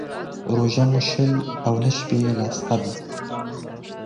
روژه مو شل او نه شپې يې لا سته دى.